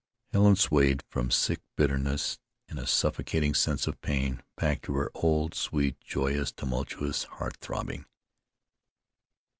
Helen swayed from sick bitterness and a suffocating sense of pain, back to her old, sweet, joyous, tumultuous heart throbbing.